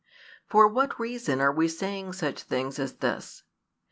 |286 For what reason are we saying such things as this?